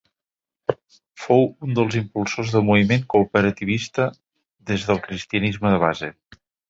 Fou un dels impulsors del moviment cooperativista des del cristianisme de base.